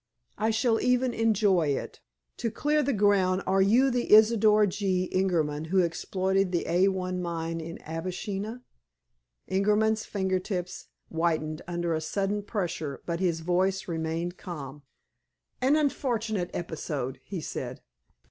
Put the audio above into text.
"I shall even enjoy it. To clear the ground, are you the Isidor G. Ingerman who exploited the A1 Mine in Abyssinia?" Ingerman's finger tips whitened under a sudden pressure, but his voice remained calm. "An unfortunate episode," he said.